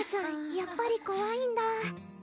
やっぱりこわいんだ